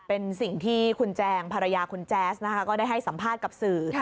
เป็นสิ่งที่คุณแจงภรรยาคุณแจ๊สนะคะก็ได้ให้สัมภาษณ์กับสื่อ